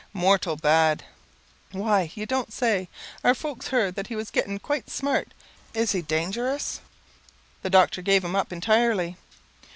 "Mortal bad." "Why! you don't say. Our folks heard that he was getting quite smart. Is he dangerous?" "The doctor has given him up entirely."